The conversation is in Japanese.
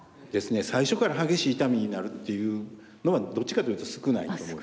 最初から激しい痛みになるっていうのはどっちかというと少ないと思います。